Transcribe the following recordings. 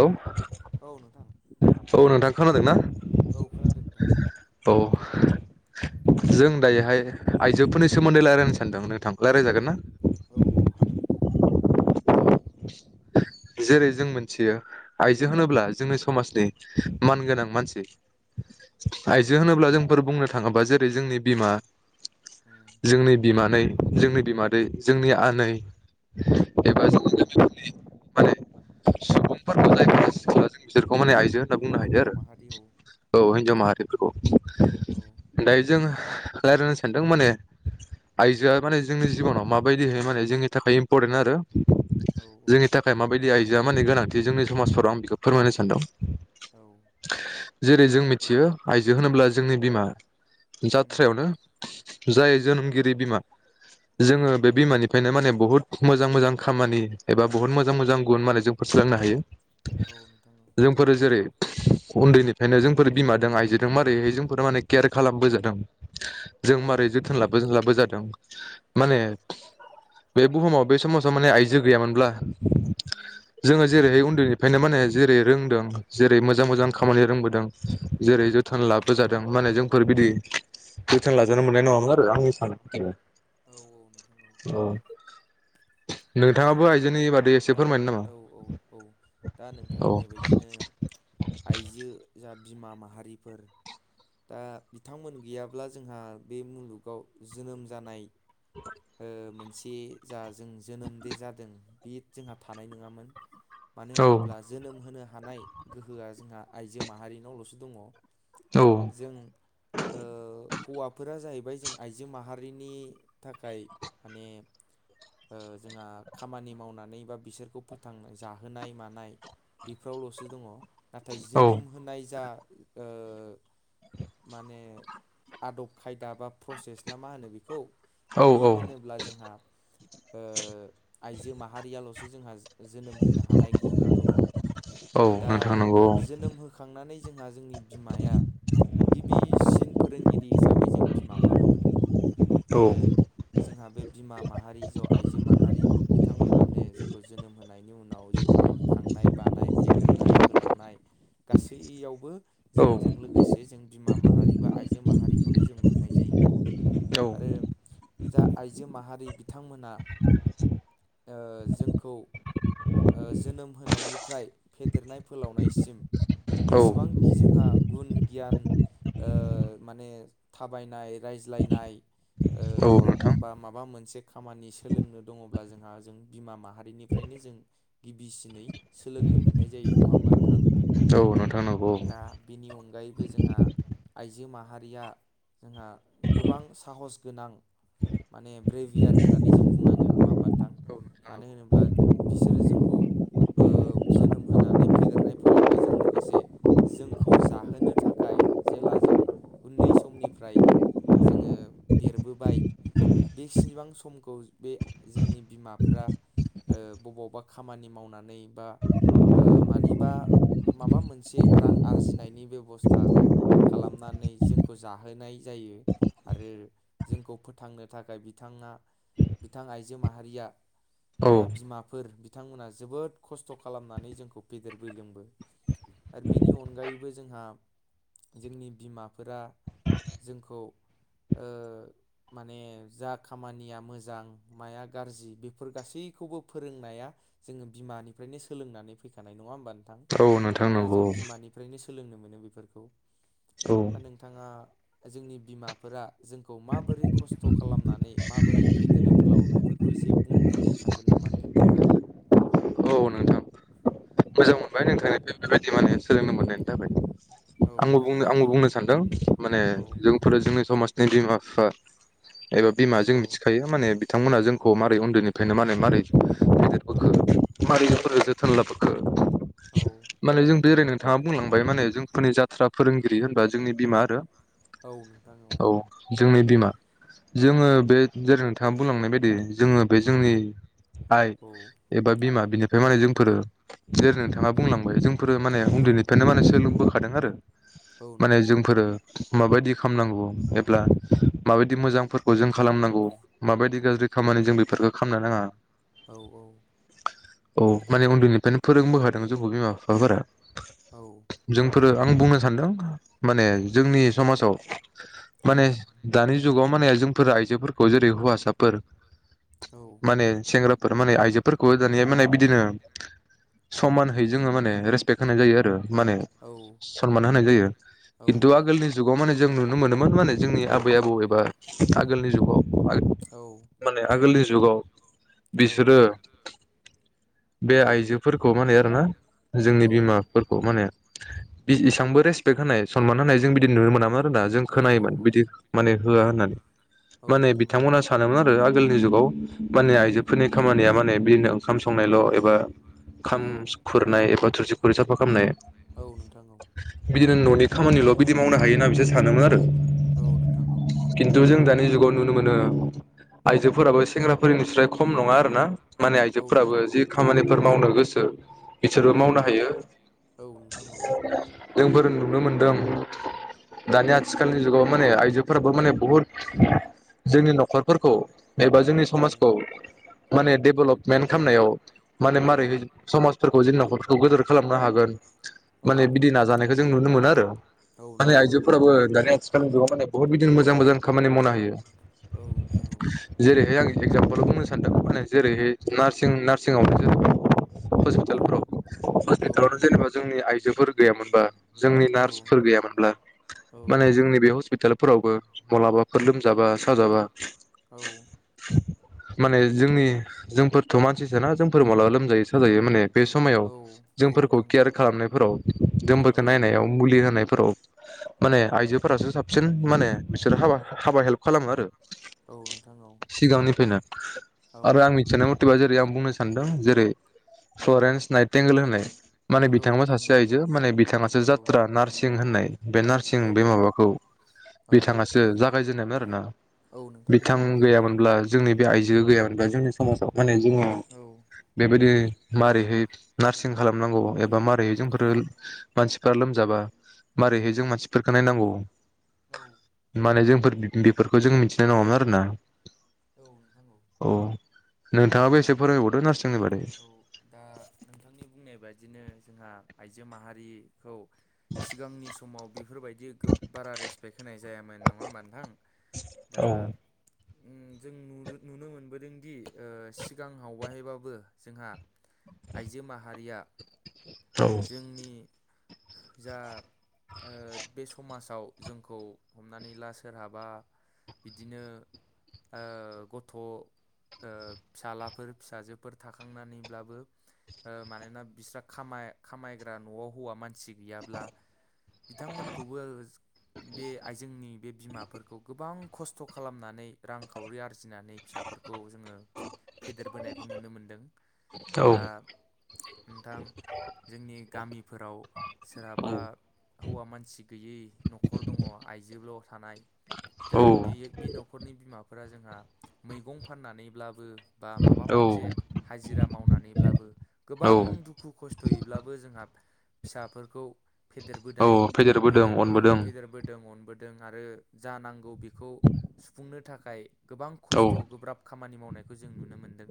औ औ नोंथां। औ नोंथां खोनादों ना? औ खोनादों नोंथां औ जों दायोहाय आइजोफोरनि सोमोन्दै लारायनो सानदों नोंथां रायलायजागोन ना? औ औ हागोन नोंथां। जेरै जों मोनथियो आइजो होनोब्ला जोंनि समाजनि मान गोनां मानसि औ आइजो होनोब्ला जोंफोर बुंनो थाङोबा जेरै जोंनि बिमा उम जोंनि बिमानै जोंनि बिमादै जोंनि आनै एबा जों बुहुमनि माने सुबुंफोरखौ जायफोरा सिख्लाजों बिसोर अ माने आइजो होनना औ बुंनो हायो हिन्जाव आरो। माहारि औ औ हिनजाव माहारिफोरखौ। औ दायो जों रायज्लायनो सानदों माने आइजोआ माने जोंनि जिबनाव माबायदिह माने जोंनि थाखाय इम्परटेन्ट आरो। औ औ जोंनि थाखाय माबायदि आइजोआ माने गोनांथि जोंनि समाजफोराव आं बेखौ फोरमायनो सानदों औ जेरै जों मिथियो आइजो होनोब्ला जोंनि बिमा उम जात्रायावनो जाय जोनोमगिरि बिमा औ जोङो बे बिमानिफ्रायनो माने बुहुत मोजां मोजां खामानि एबा बुहुत मोजां मोजां गुबुन मालायजों फोस्रांनो हायो। औ नोंथां औ जोंफोरो जेरै उन्दैनिफ्रायनो जोंफोर बिमादों आइजोदों मारैहाय जोंफोर माने केयार खालामबोजादों। जों औ मारै जोथोन लाबो जों लाबो जादों माने औ बे बुहुमाव बे समाजाव माने आइजो गैयामोनब्ला जोङो जेरैहाय उन्दै बेंखायनो माने जेरै रोंदों जेरै मोजां मोजां खामानि रोंबोदों जेरै औ जोथोन लाबो जा दों माने जोंफोर बिदि जोथोन लाजानो मोननाय नङामोन आरो आंनि साननाय मथेबा। औ नोंथां औ दा नोंथाङाबो आइजोनि बादै एसे नोंथां दा फोरमायनो नामा औ औ औ दा नोंथां औ होननाय बायदिनो आइजो जा बिमा माहारिफोर दा बिथांमोन गैयाब्ला जोंहा बे मुलुगाव जोनोम जानाय ओ मोनसे जा जों जोनोम दे जादों बे जोंहा थानाय नङामोन मानो औ होनोब्ला जोनोम होनो हानाय गोहोआ जोंहा आइजो माहारिनावल'सो दङ। औ जों ओ हौवाफोरा जाहैबाय जों आइजो माहारिनि थाखाय माने ओ जोंहा खामानि मावनानै बा बिसोरखौ फोथां जाहोनाय मानाय बेफोरावल'सो दङ नाथाय जोनोम होनाय जा ओ माने आदब खायदा बा प्रसेस ना मा होनो बेखौ औ बि औ होनोब्ला जोंहा ओ आइजो माहारियाल'सो जोंहा जोनोम होनो हानाय गोहोआ दङ। औ दा नोंथां नंगौ जोनोम होखांनानै जोंहा जोंनि बिमाया गिबिसिन फोरोंगिरि हिसाबै जों बिमा खौनो मोनो। औ आरो जोंहा बे बिमा माहारि ज' आइजो मा बिथांमोनानो जोंखौ जोनोम हो होननि उनाव जोंनि खांनाय बानाय फेदेरनाय फोलावनाय गासैयावबो औ जोंजों लोगोसे जों बिमा माहारि बा आइजो माहारिखौनो जों मोननाय जायो। औ आरो जा आइजो माहारि बिथांमोना ओ जोंखौ ओ जोनोम होनायनिफ्राय फेदेरनाय फोलावनायसिम औ जेसेबांखि जों आ गुन गियान ओ माने थाबायनाय रायज्लायनाय ओ औ नोंथां बा माबा मोनसे खामानि सोलोंनो दङब्ला जोंहा जों बिमा माहारिनिफ्रायनो जों गिबिसिनै सोलोंनो मोननाय जायो नङाहोमबा। नोंथां। औ नोंथां नंगौ। बे जोंहा आइजो माहारिया जोंहा गोबां साहस गोनां। माने ब्रेभियार होननानै जों बुंनांगोन। नङा होमबा नोंथां औ मानो होनोब्ला बिसोरो जोंखौ। ओ जोनोम होनानै फेदेरनाय फोलावनायजों लोगोसे जोंखौ जाहोनो थाखाय। जेला जों उन्दै समनिफ्राय। जोङो देरबोबाय बे सिबां समखौ बे। जोंनि बिमाफोरा ओ बबावबा खामानि मावनानै बा। ओ मानिबा माबा मोनसे रां आरजिनायनि बेब'स्था। खालामनानै जोंखौ जाहोनाय जायो। आरो जोंखौ फोथांनो थाखाय बिथाङा। बिथां आइजो माहारिया जा बिमाफोर। बिथांमोना जोबोद खस्थ' खालामनानै जोंखौ फेदेरबोदोंबो। आरो बिनि अनगायैबो जोंहा जोंनि बिमाफोरा। जोंखौ ओ माने जा खामानिया मोजां। माया गाज्रि बेफोर गासैखौबो फोरोंनाया जोङो बिमानिफ्रायनो सोलोंनानै फैखानाय नङा होमबा। औ नोंथां नंगौ जों बिमानिफ्रायनो सोलोंनो मोनो बेफोरखौ। औ दा नोंथाङा जोंनि बिमाफोरा। जोंखौ माबोरै खस्थ' खालामनानै माबोरै फेदेरो फोलावो बेफोरखौ एसे बुं फोरनो सानगोन नामा नोंथां। औ नोंथां मोजां मोनबाय नोंथांनि बेफोरबायदि माने सोलोंनो मोननायनि थाखाय। औ आंबो नोंथां बुंनो आंबो बुंनो सानदों माने औ जोंफोरो जोंनि समाजनि बिमा। फिफा एबा बिमा जों मिथिखायो माने बिथांमोना जोंखौ मारोरै उन्दैनिफ्रायनो माने मारै। औ फेदेरबोखो जोथोन लाबोखो औ माने जों बेरायनो। नोंथाङा बुंलांबाय माने जोंफोरनि जाथ्रा फोरोंगिरि होनबा जोंनि बिमा आरो। औ नोंथां औ। जोंनि बिमा जोङो बे जेरै नोंथाङा बुंलांनाय बायदि जोङो बे जोंनि। आइ एबा बिमा बिनिफ्राय माने जोंफोर जेरै नोंथाङा बुंलांबाय जों। फोरो माने औ उन्दैनिफ्रायनो माने सोलोंबोखादों आरो औ माने नोंथां औ जोंफोरो। माबायदि खामनांगौ एब्ला माबायदि मोजांफोरखौ जों खालामनांगौ माबायदि गाज्रि खामा माने जों बेफोरखौ खालामनो नाङा। औ औ। औ माने उन्दैनिफ्रायनो फोरोंबोखादों जोंखौ बिमा बिफाफोरा औ जोंफोरो। आं बुंनो सानदों माने जोंनि समाजाव औ माने दानि जुगाव। माने जों आइजोफोरखौ जेरै हौवसाफोर माने सेंग्रा। फोर माने आइजोफोरखौ दानिया माने। बिदिनो समान है जोङो माने रेसपेक्ट होनाय जायो आरो। माने सनमान होनाय जायो खिन्थु आगोलनि जुगाव माने जों नु मोनोमोन माने जोंनि आबै आबौ एबा आगोलनि जुगाव माने आोलनि। जुगाव औ बिसोरो। बे आइजोफोरखौ माने आरोना जोंनि औ बिमाफोरखौ माने। बि एसांबो रेसपेक्ट होनाय सनमान होनाय जों बिदि नुनो मोनामोन आरोना जों खोनायोमोन बिदि माने। होआ होननानै। औ होआ होननानै औ माने नोंथां औ बिथांमोना सानोमोन आरो आगोलनि जुगाव माने उम आइजोफोरनि खामानिया माने बिदिनो ओंखाम सं एबा खाम औ खुरनाय एबा थुरसि खुरै साफा खालामनाय। औ नोंथां औ। बिदिनो न'नि खामानिल' बिदि मावनो हायो होना बिसोर सानोमोन आरो। औ नोंथां औ। बे जुगाव नुनो मोनो आइजोफोराबो सेंग्राफोरनिस्राय खम नङा आरो ना मा फोराबो जि खामानिफोर मावनो गोसो बिसोरबो औ मावनो हायो औ नोंथां औ जोंफोर नुनो मोनदों दानि आथिखालनि जुगाव माने आइजोफोराबो माने बुहुद जोंनि न'खरफोरखौ एबा जोंनि समाजखौ माने डेभेलपमेन्ट खालामनायाव माने औ नोंथां औ मारैहाय समाजफोरखौ जोंनि न'खरफोरखौ गोजोर खालामनो हागोन माने बिदि नाजानायखौ जों नुनो मोनो आरो माने आयजोफोराबो दानि आथिखालनि जुगाव माने बुहुत बि जों मोजां मोजां खामानि मावनो हायो। औ नोंथां औ जेरैहाय आं एगजामपोलाव बुंनो सानदों माने जेरैहाय नारसिं नारसिंआवनो जे औ हस्पिटालफ्राव हस्पिटालावनो जेनेबा जोंनि आइजोफोर गैयामोनबा जोंनि औ नार्सफोर गैयामोनब्ला औ माने जोंनि बे हस्पिटाल फोरावबो मालाबाफोर लोमजाबा साजाबा औ माने जोंनि जोंफोरथ' मानसिसोना जोंफोर मालाबा लोमजायो साजायो माने बे समायाव औ औ जोंफोरखौ नोंथां औ केयार खालामनायफोराव औ जोंफोरखौ नायनायाव मुलि होनायफोराव माने आइजोफोरासो साबसिन माने बिसोर हाबा हाबा हेल्प खालामो आरो। औ नोंथां औ। सिगांनिफ्रायनो औ आरो आं मिथिनाय मथेबा जेरै आं बुंनो सानदों जेरै फ्लरेन्स नाइटेंगोल होननाय माने औ नोंथां औ बिथाङाबो नोंथां सासे आइजो माने बिथाङासो औ जात्रा नार्सिं होननाय बे नार्सिं बे माबाखौ औ बिथाङासो जागायजेननायमोन आरोना बिथां गैयामोनब्ला जोंनि बे आइजोआ गैयामोनबा जोंनि समाजाव माने जोङो औ बेबायदि मारैहाय नार्सिं खालामनांगौ एबा मारोरैहाय जोंफोरो मानसिफ्रा लोमजाबा माबारैहाय जों मानसिफोरखौ नायनांगौ। औ। माने जोंफोर जों बेफोरखौ जों मिथिनाय नङामोन आरोना औ नोंथाङाबो एसे फोरमायबावदो नारसि औ दा नोंथांनि बुंनाय बादिनो जोंहा आइजो माहारि खौ सिगांनि समाव बेफोरबायदि बारा रेसपेक्ट होनाय जायामोन नङा होमबा नोंथां दा औ जों नु नुनो मोनबोदोंदि ओ सिगांआव हायबाबो। जोंहा आइजो माहारिया औ जोंनि जा ओ बे समाजाव जोंखौ हमनानै ला सोरहाबा बिदिनो ओ गथ' ओ फिसालाफोर फिसाजोफोर थाखांनानैब्लाबो ओ मानोना बिस्रा खा खामायग्रा न'आव हौवा मानसि गैया ब्ला बिथांमोनखौबो बे आइजोंनि बे बिमाफोरखौ गोबां खस्थ' खालामनानै रांखावरि आर जिनानै फिसाफोरखौ जोङो फेदेरबोनायखौ नुनो मोन दों औ दा नोंथां जोंनि गामिफोराव। सोरहाबा हौवा मानसि गैयै न'खर दङ आइजोल' थानाय। जा औ बे बे नख'रनि बिमा फोरा जोंहा मैगं फाननानैब्लाबो बा माबा औ मोनसे। हाजिरा मावनानैब्लाबो औ गोबां दुखु खस्थ'यैब्लाबो जोंहा फिसाफोरखौ। औ फेदेरबोदाय फेदेरबोदों फेदेर औ अनबोदों फेदेरबोदोंमोन। बोदों आरो जा नांगौ बेखौ सुफुंनो थाखाय गोबां औ खस्थ' गोब्राब खामानि मावनायखौ जों नुनो मोनदों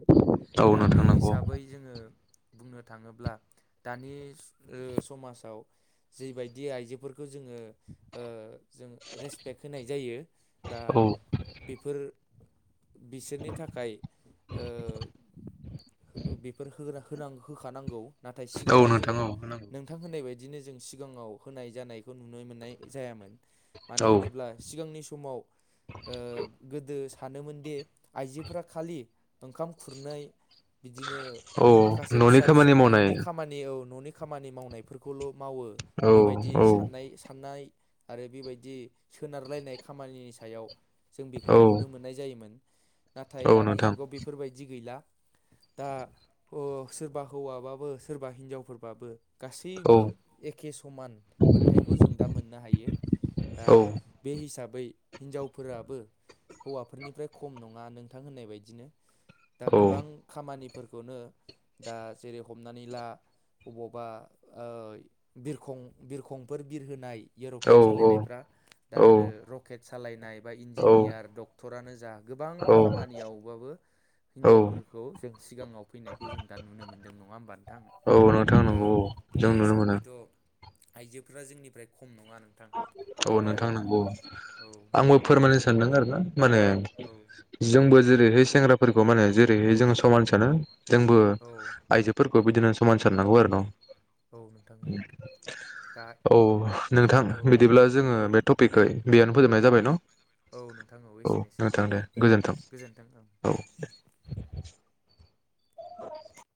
औ दा बे नोंथां नंगौ हिसाबै जोङो। बुंनो थाङोब्ला दानि स ओ समाजाव जिबायदि आयजोफोरखौ जोङो ओ जों रेसपेक्ट होनाय जायो दा औ बेफोर बिसोरनि थाखाय ओ-ओ बेफोर होग्रा होनां होखानांगौ नाथाय औ सिगाङाव जों नोंथां औ नोंथां होननाय बायद बिदिनो जों सिगाङाव होनाय जानायखौ नुनो मोननाय जायामोन मानो औ होनोब्ला सिगांनि सम समाव ओ गोदो स सानोमोनदि आइजोफोरा खालि ओंखाम खुरनै बिदिनो औ माखासे न'नि फिसा फिसौ खामानि मावनाय न'नि खामानि औ न'नि खामानि मावनायफोरखौल' मावो औ बेबायदि औ साननाय- साननाय आरो बेबायदि सोनारलायनाय खामानिनि सायाव जों बेखौ औ नुनो मोननाय जायोमोन। नाथाय औ दानि नोंथां जुगाव बेफोरबायदि गैला। दा ओ सोरबा हौवाबाबो सोरबा हिनजावफोरबाबो औ गासैबो एखे समान मोनथायखौ जों दा मोननो हायो। दा औ बे हिसाबै हिनजावफोराबो हौवाफोरनिफ्राय खम नङा नोंथां होननाय बायदिनो। दा औ गोबां खामानिफोरखौनो दा जेरै हमनानै ला अबावबा ओ बिरखं- बिरखंफोर बिरहोनाय औ एर'प्लेन सालायनायफ्रा दा आरो रकेट सालायनाय बा औ इन्जिनियार डक्टरानो जा गोबां औ खामानियावबाबो औ हिनजावफोरखौ जों सिगाङाव फैनायखौ जों दा नुनो मोन्दों नङा होमबा नोंथां? औ नोंथां नांगौ औ जों नुनो मोनो। आयजोफ्रा जोंनिफ्राय खम नङा नोंथां औ बेनो नोंथां आरोना नंगौ। औ आंबो फोरमायनो सानदों आरोना माने औ जोंबो जेरैहाय सेंग्राफोरखौ माने जेरैहाय जोंङो समान सानो जोंबो औ आइजोफोरखो बेबिदिनो समान साननांगौ आरो न' औ नोंथां औ दा औ नोंथां औ बिदिब्ला जोङो औ बे टपिकखौ बेयावनो फोजोबनाय जाबाय न'। औ नोंथां औ एसेनोसै नोंथां औ गोजोन्थों औ। [inaudible]